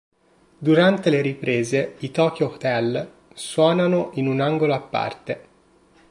Durante le riprese i Tokio Hotel suonano in un angolo a parte.